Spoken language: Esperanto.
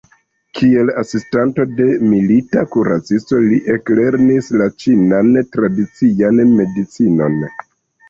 Kiel asistanto de milita kuracisto li eklernis la ĉinan tradician medicinon.